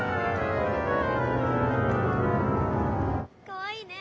かわいいね。